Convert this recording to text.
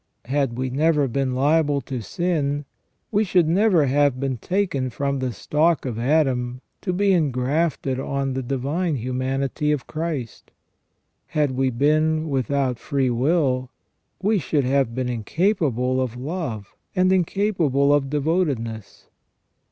Had we never been liable to sin, we should never have been taken from the stock of Adam to be engrafted on the divine humanity of Christ. Had we been without free will, we should have been incapable of love and incapable of devotedness.